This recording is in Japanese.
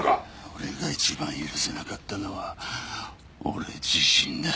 俺が一番許せなかったのは俺自身だ。